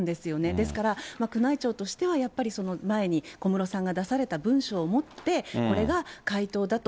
ですから、宮内庁としてはやっぱり前に、小室さんが出された文書をもって、これが回答だと。